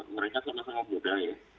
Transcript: mereka sama sama muda ya